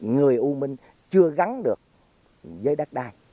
người u minh chưa gắn được với đất đai